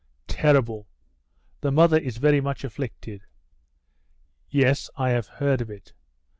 Terrible I The mother is very much afflicted." "Yes. I have heard of it."